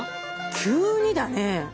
急にだね。